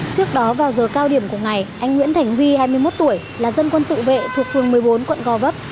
trước đó vào giờ cao điểm của ngày anh nguyễn thành huy hai mươi một tuổi là dân quân tự vệ thuộc phường một mươi bốn quận gò vấp